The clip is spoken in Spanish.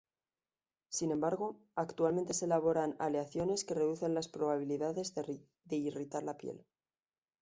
Sin embargo, actualmente se elaboran aleaciones que reducen las probabilidades de irritar la piel.